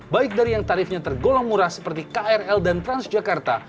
baik dari yang tarifnya tergolong murah seperti krl dan transjakarta